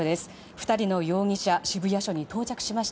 ２人の容疑者渋谷署に到着しました。